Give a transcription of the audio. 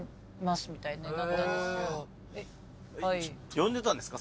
呼んでたんですか？